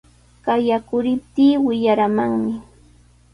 Qayakuriptii wiyaramanmi.